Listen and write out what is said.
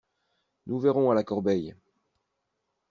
Nous verrons à la corbeille!